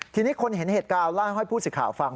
ทีนี้คนเห็นเหตุการณ์เล่าให้ผู้สิทธิ์ข่าวฟัง